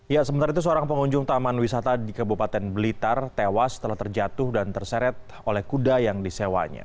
ya sementara itu seorang pengunjung taman wisata di kabupaten blitar tewas setelah terjatuh dan terseret oleh kuda yang disewanya